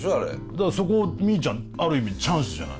だからそこみーちゃんある意味チャンスじゃない。